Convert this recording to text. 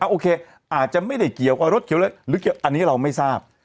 โอเคอาจจะไม่ได้เกี่ยวกับรถเขียวหรือเกี่ยวอันนี้เราไม่ทราบ